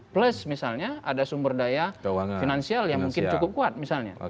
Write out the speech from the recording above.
plus misalnya ada sumber daya finansial yang mungkin cukup kuat misalnya